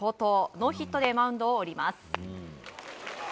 ノーヒットでマウンドを降ります。